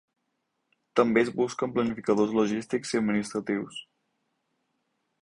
També es busquen planificadors logístics i administratius.